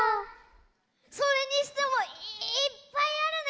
それにしてもいっぱいあるね。